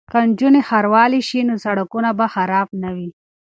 که نجونې ښاروالې شي نو سړکونه به خراب نه وي.